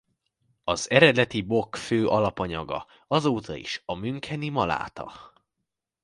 Az eredeti Bock fő alapanyaga azóta is a müncheni maláta.